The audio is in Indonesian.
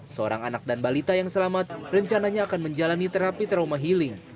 seorang anak dan balita yang selamat rencananya akan menjalani terapi trauma healing